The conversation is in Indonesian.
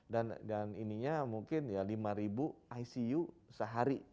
dan ininya mungkin ya lima ribu icu sehari